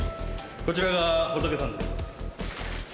こちらがホトケさんです。